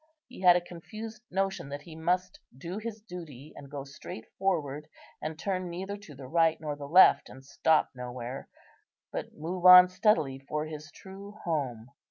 He had a confused notion that he must do his duty, and go straight forward, and turn neither to the right, nor the left, and stop nowhere, but move on steadily for his true home.